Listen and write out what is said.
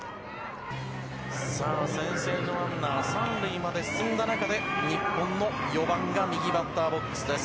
さあ、先制のランナー、３塁まで進んだ中で、日本の４番が右バッターボックスです。